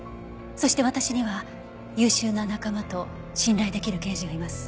そして私には優秀な仲間と信頼できる刑事がいます。